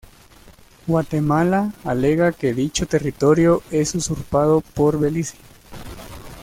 Guatemala alega que dicho territorio es usurpado por Belice.